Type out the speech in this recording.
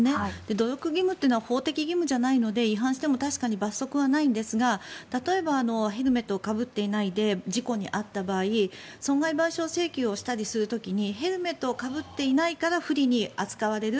努力義務というのは法的義務じゃないので違反しても確かに罰則はないんですが例えばヘルメットをかぶっていないで事故に遭った場合損害賠償請求をしたりする時にヘルメットをかぶっていないから不利に扱われる。